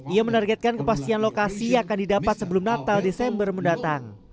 ia menargetkan kepastian lokasi akan didapat sebelum natal desember mendatang